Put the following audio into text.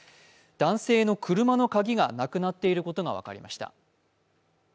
男性の車の鍵がなくなっていることが分かりました。